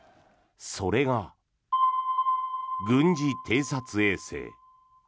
それが、軍事偵察衛星。